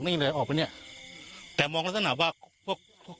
หญิงบอกว่าจะเป็นพี่ปวกหญิงบอกว่าจะเป็นพี่ปวก